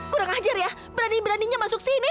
kurang ajar ya berani beraninya masuk sini